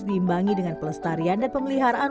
diimbangi dengan pelestarian dan pemeliharaan